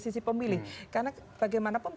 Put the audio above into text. sisi pemilih karena bagaimanapun